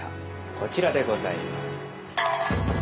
こちらでございます。